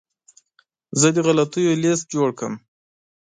زه د غلطیو لیست جوړ کړم.